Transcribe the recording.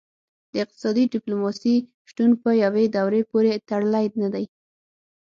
د اقتصادي ډیپلوماسي شتون په یوې دورې پورې تړلی نه دی